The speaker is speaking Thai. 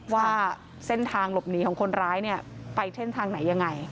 ว่าเส้นทางหลบหนีของคนร้ายเนี่ยไปเส้นทางไหนยังไง